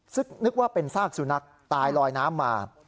ซึ่งนึกว่าเป็นซากสุนัขตายลอยน้ำมา